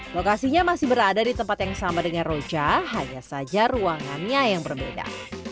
lokasinya masih berada di tempat yang sama dengan roja hanya saja ruangannya yang berbeda